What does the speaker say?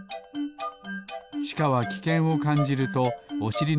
しかはきけんをかんじるとおしり